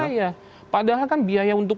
biaya padahal kan biaya untuk